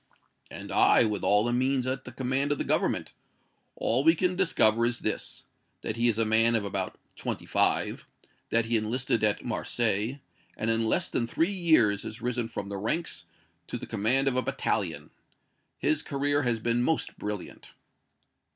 "And I, with all the means at the command of the Government. All we can discover is this that he is a man of about twenty five; that he enlisted at Marseilles, and in less than three years has risen from the ranks to the command of a battalion. His career has been most brilliant."